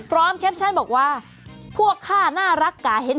แคปชั่นบอกว่าพวกข้าน่ารักกะเห็น